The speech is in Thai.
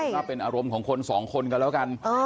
ถ้าเป็นอารมณ์ของคนสองคนกันแล้วกัน